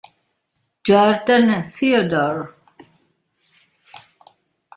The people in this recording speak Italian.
Jordan Theodore